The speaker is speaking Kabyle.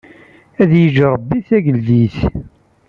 Ad yeǧǧ Ṛebbi Tagellidt.